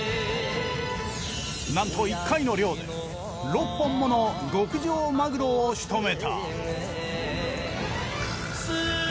なんと１回の漁で６本もの極上マグロをしとめた。